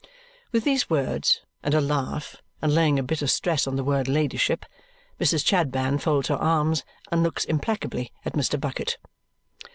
With these words, and a laugh, and laying a bitter stress on the word "ladyship," Mrs. Chadband folds her arms and looks implacably at Mr. Bucket.